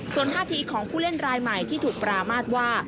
ส่วนท่าทีของผู้เล่นรายใหม่ที่ถูกปรามาทว่า